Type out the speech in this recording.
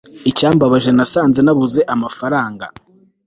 icyambabaje nasanze nabuze amafaranga